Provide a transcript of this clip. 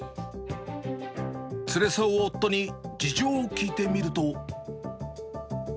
連れ添う夫に、事情を聞いてみると。